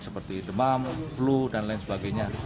seperti demam flu dan lain sebagainya